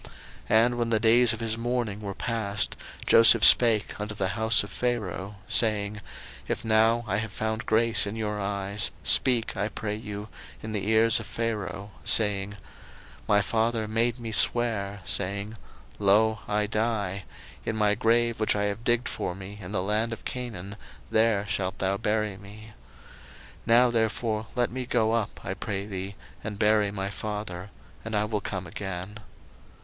01:050:004 And when the days of his mourning were past, Joseph spake unto the house of Pharaoh, saying, If now I have found grace in your eyes, speak, I pray you, in the ears of Pharaoh, saying, 01:050:005 My father made me swear, saying, Lo, I die: in my grave which I have digged for me in the land of Canaan, there shalt thou bury me. Now therefore let me go up, I pray thee, and bury my father, and I will come again.